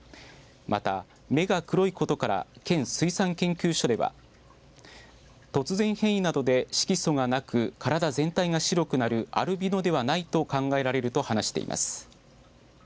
また、目が黒いことから県水産研究所では突然変異などで色素がなく体全体が白くなるアルビノではないと考えられると話しています。